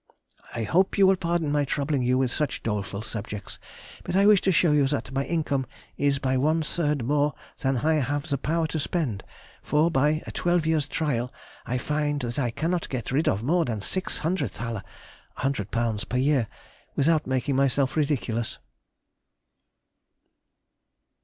I hope you will pardon my troubling you with such doleful subjects, but I wish to show you that my income is by one third more than I have the power to spend, for by a twelve years' trial I find that I cannot get rid of more than 600 thl. = £100 per year, without making myself ridiculous.